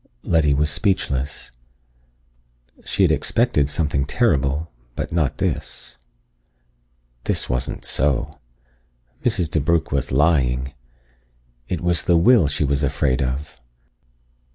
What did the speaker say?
Letty was speechless. She had expected something terrible, but not this. This wasn't so! Mrs. DeBrugh was lying! It was the will she was afraid of.